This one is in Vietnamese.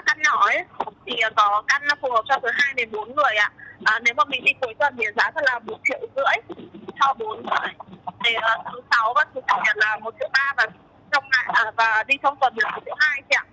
và đi thông toàn được thứ hai